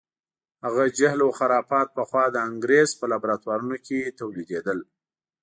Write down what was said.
هغه جهل او خرافات پخوا د انګریز په لابراتوارونو کې تولیدېدل.